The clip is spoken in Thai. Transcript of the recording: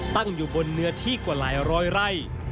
ตั้งอยู่บนเนื้อที่กว่าหลายร้อยไร่